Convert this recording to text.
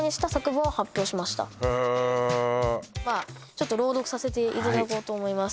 まあちょっと朗読させていただこうと思います